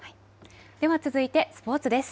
では続いてスポーツです。